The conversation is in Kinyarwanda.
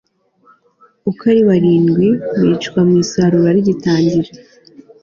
uko ari barindwi bicwa mu isarura rigitangira